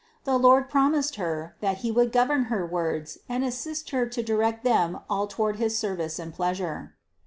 The Lord promised Her, that He would govern her words and assist Her to direct them all toward his service and pleasure.